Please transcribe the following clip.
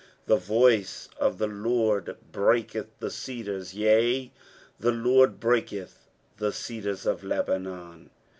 5 The voice of the Lord breaketh the cedars ; yea, the LoRD breaketh the cedars of Lebanon.